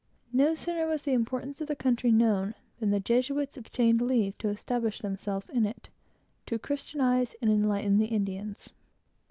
No sooner was the importance of the country known, than the Jesuits obtained leave to establish themselves in it, to Christianize and enlighten the Indians.